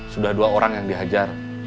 sudah dua orang yang dihajar